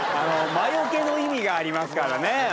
魔よけの意味がありますからね。